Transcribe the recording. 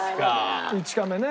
１カメね。